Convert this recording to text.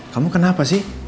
kamu kenapa sih